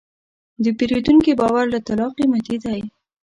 د پیرودونکي باور له طلا قیمتي دی.